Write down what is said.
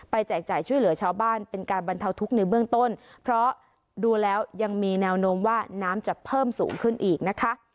แจกจ่ายช่วยเหลือชาวบ้านเป็นการบรรเทาทุกข์ในเบื้องต้นเพราะดูแล้วยังมีแนวโน้มว่าน้ำจะเพิ่มสูงขึ้นอีกนะคะ